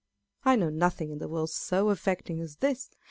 I know nothing in the world so affecting as this.